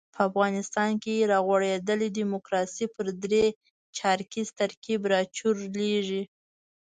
په افغانستان کې را غوړېدلې ډیموکراسي پر درې چارکیز ترکیب راچورلېږي.